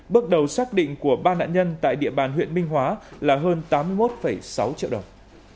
bước đầu xác định của ba nạn nhân tại địa bàn huyện minh hóa là hơn tám mươi một sáu triệu đồng